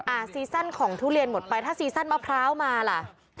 ซีซั่นของทุเรียนหมดไปถ้าซีซั่นมะพร้าวมาล่ะ